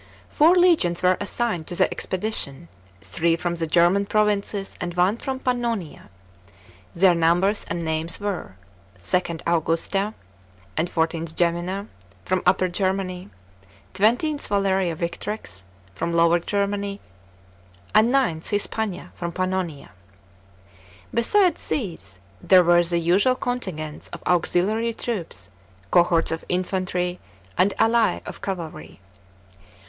Four legions were assigned to the expedition, three Irom the German provinces, and one from Pann«»rJa. Their numbers and names were :— II. Augusta and XIV. Gemina, from Upper Germany ; XX. Valeria Victrix, from Lower Germany ; and IX. Hispana, from Pannonia. Besides these, there were the usual contingents of auxiliary troops, cohorts of infantry and alx of cavalry.